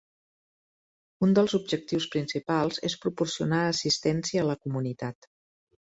Un dels objectius principals és proporcionar assistència a la comunitat.